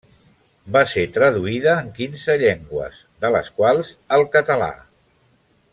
Va ser traduïda en quinze llengües, de les quals el català.